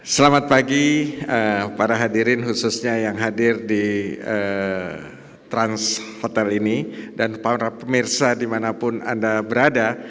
selamat pagi para hadirin khususnya yang hadir di trans hotel ini dan para pemirsa dimanapun anda berada